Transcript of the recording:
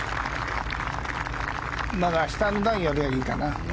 まだ下の段よりはいいかな。